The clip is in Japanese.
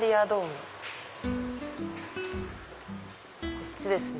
こっちですね